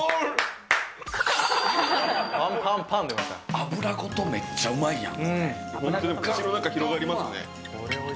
脂ごとめっちゃうまいやん。